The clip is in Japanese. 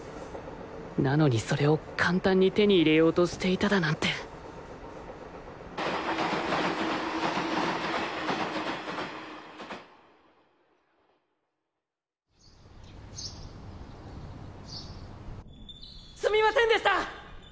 なのにそれを簡単に手に入れようとしていただなんてすみませんでした！